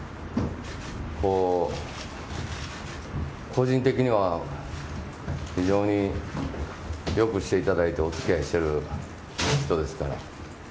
個人的には非常に良くしていただいてお付き合いしてる人ですから。